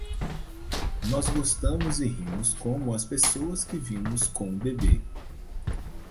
Nós gostamos e rimos como as pessoas que vimos com o bebê.